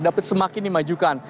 dapat semakin dimajukan